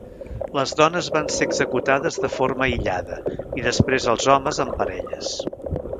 Les dones van ser executades de forma aïllada i després els homes en parelles.